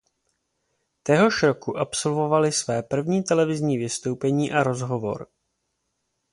Téhož roku absolvovali své první televizní vystoupení a rozhovor.